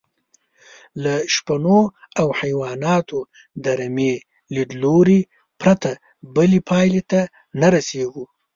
له شپنو او حیواناتو د رمې لیدلوري پرته بلې پایلې ته نه رسېږو.